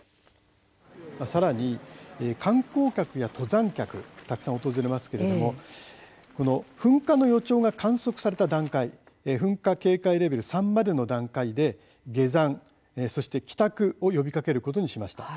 さらに観光客や登山客がたくさん訪れますが噴火の予兆が観測された段階噴火警戒レベル３までの段階で下山、そして帰宅を呼びかけることにしました。